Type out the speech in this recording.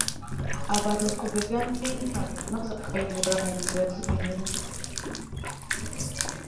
abantu ku migambi y’Imana maze akabayobora mu nzira z’ibinyoma.